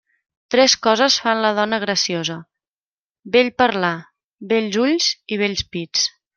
Tres coses fan la dona graciosa: bell parlar, bells ulls i bells pits.